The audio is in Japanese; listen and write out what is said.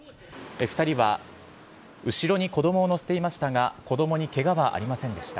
２人は後ろに子どもを乗せていましたが、子どもにけがはありませんでした。